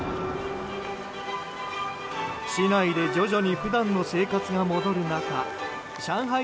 市内で徐々に普段の生活が戻る中上海